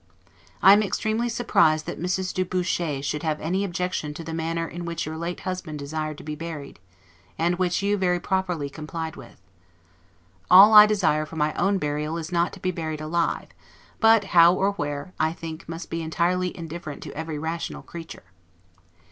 I am extremely surprised that Mrs. du Bouchet should have any objection to the manner in which your late husband desired to be buried, and which you, very properly, complied with. All I desire for my own burial is not to be buried alive; but how or where, I think must be entirely indifferent to every rational creature.